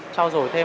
trao dổi thêm